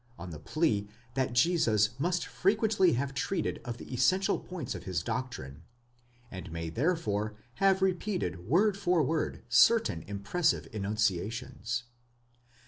on the plea that Jesus must frequently have treated of the essential points of his doctrine, and may therefore have repeated word for word certain impressive enuncia tions.